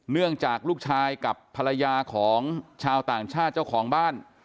เนื่องจากลูกชายกับภรรยาของชาวต่างชาติเจ้าของบ้าน